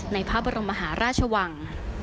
ในพระบรมมหาราชวัง